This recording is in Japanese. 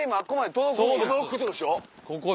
届くってことでしょ。